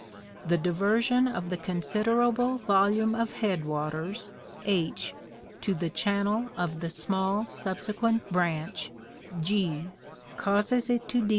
The diversion of the considerable volume of headwaters, H, to the channel of the small subsequent branch, G, causes it to Fig.